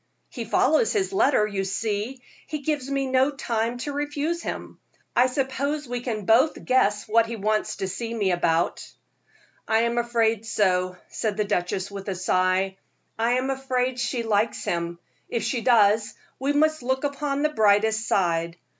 "He follows his letter, you see; he gives me no time to refuse him. I suppose we can both guess what he wants to see me about." "I am afraid so," said the duchess, with a sigh. "I am afraid she likes him. If she does, we must look upon the brightest side.